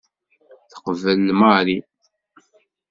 Teqbel Mary.